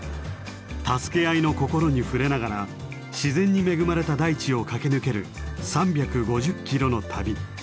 助け合いの心に触れながら自然に恵まれた大地を駆け抜ける３５０キロの旅。